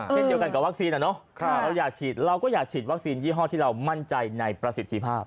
เช่นเดียวกันกับวัคซีนเราอยากฉีดเราก็อยากฉีดวัคซีนยี่ห้อที่เรามั่นใจในประสิทธิภาพ